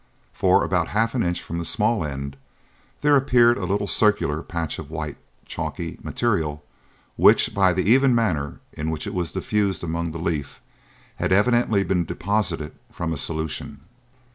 For, about half an inch from the small end, there appeared a little circular patch of white, chalky material which, by the even manner in which it was diffused among the leaf, had evidently been deposited from a solution.